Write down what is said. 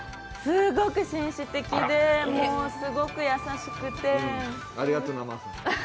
すごく紳士的ですごく優しくてありがとうな。